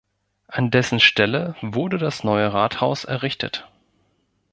An dessen Stelle wurde das neue Rathaus errichtet.